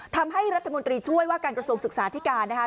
ทำให้รัฐมนตรีช่วยว่าการกระทรวงศึกษาที่การนะคะ